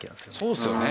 そうですよね。